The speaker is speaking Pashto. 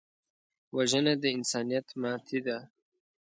وژنه د انسانیت ماتې ده